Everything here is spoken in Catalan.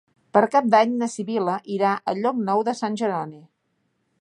Per Cap d'Any na Sibil·la irà a Llocnou de Sant Jeroni.